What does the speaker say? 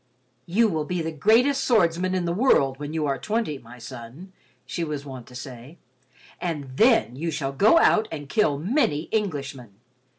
"You will be the greatest swordsman in the world when you are twenty, my son," she was wont to say, "and then you shall go out and kill many Englishmen.